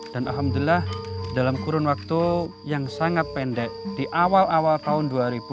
dan alhamdulillah dalam kurun waktu yang sangat pendek di awal awal tahun dua ribu sembilan belas